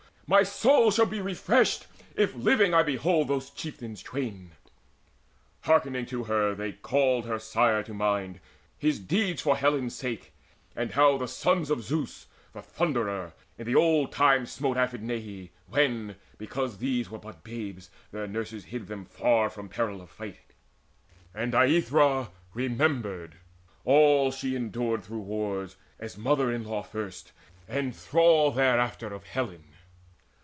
My soul shall be refreshed If living I behold those chieftains twain." Hearkening to her they called their sire to mind, His deeds for Helen's sake, and how the sons Of Zeus the Thunderer in the old time smote Aphidnae, when, because these were but babes, Their nurses hid them far from peril of fight; And Aethra they remembered all she endured Through wars, as mother in law at first, and thrall Thereafter of Helen.